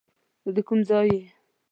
ته د کوم ځای یې؟